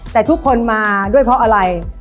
แต่ทุกคนมาด้วยเพราะอะไร